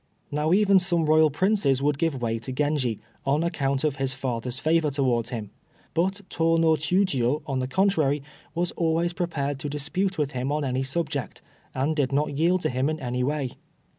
Now even some Royal Princes would give way to Genji, on account of his father's favor towards him, but Tô no Chiûjiô, on the contrary, was always prepared to dispute with him on any subject, and did not yield to him in any way.